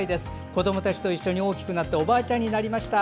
子どもたちと一緒に大きくなっておばあちゃんになりました。